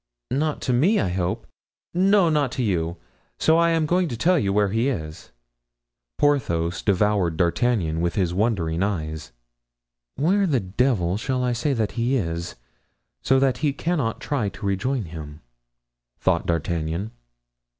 "Not to me, I hope?" "No, not to you, so I am going to tell you where he is." Porthos devoured D'Artagnan with wondering eyes. "Where the devil shall I say that he is, so that he cannot try to rejoin him?" thought D'Artagnan.